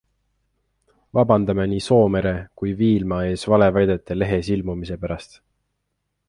Vabandame nii Soomere kui Viilma ees valeväidete lehes ilmumise pärast.